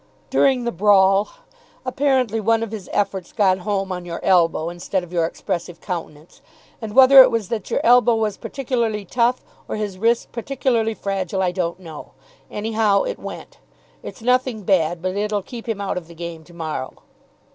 "During the brawl. Apparently one of his efforts got home on your elbow instead of your expressive countenance, and whether it was that your elbow was particularly tough or his wrist particularly fragile, I don't know. Anyhow, it went. It's nothing bad, but it'll keep him out of the game to morrow."